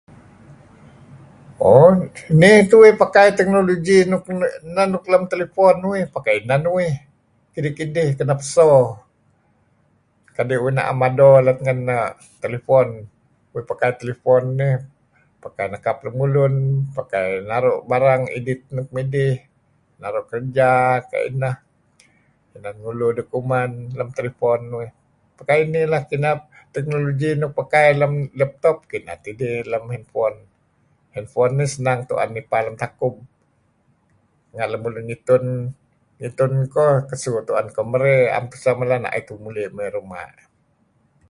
Ohh, mei tuih pakai teknologi nuk neh nuk lem telepon uih. Pakai ineh nuih kidih-kidih kenep so kadi' uih na'em mado let ngen err... telepon. Uih pakai telepon nih, pakai nekap lemulun, pakai naru' barang, edit nuk midih, naru' kereja kayu' ineh, inan ngulu deh kuman lem telepon uih. Kayu' inih lah. Kineh teknologi nuk pakai lem laptop kineh tidih lem telepon. Hand phone nih senang tu'en nipa lem takub. Nga' lemulun ngitun... ngitun ko, kesu tu'en ko merey. 'Em tusch na'it muli' mey ruma'.